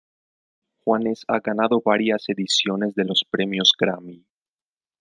Juanes ha ganado varias ediciones de los premios Grammy.